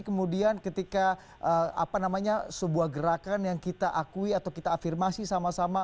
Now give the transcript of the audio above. kemudian ketika sebuah gerakan yang kita akui atau kita afirmasi sama sama